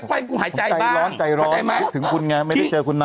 ค่อยกูหายใจบ้างเข้าใจไหมถึงคุณไงไม่ได้เจอคุณนั้น